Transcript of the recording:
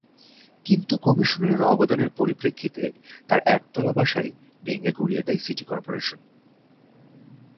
কিন্তু কমিশনারের আবেদনের পরিপ্রেক্ষিতে তাঁর একতলা বাসাই ভেঙে গুঁড়িয়ে দেয় সিটি করপোরেশন।